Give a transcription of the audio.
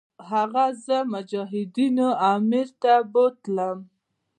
هغه زه مجاهدینو امیر ته بوتلم.